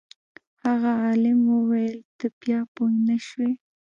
هغه عالم وویل ته بیا پوه نه شوې.